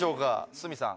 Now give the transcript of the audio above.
鷲見さん。